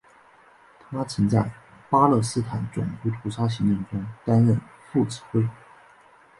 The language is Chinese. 他曾在巴勒斯坦种族屠杀行动中担任副指挥。